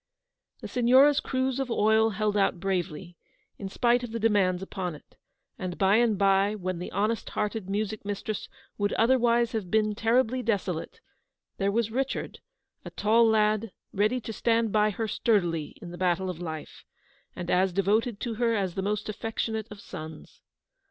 The Signora's cruse of oil held out bravely, in spite of the demands upon it; and by and by, when the honest hearted music mistress would otherwise have been terribly desolate, there was Richard, a tall lad, ready to stand by her sturdily in the battle of life, and as devoted to her as the most affectionate of sons.